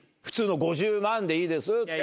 普通の５０万でいいです。